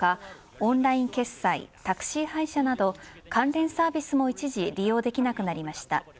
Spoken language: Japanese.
オンライン決済タクシー配車など関連サービスも一時利用できなくなりました。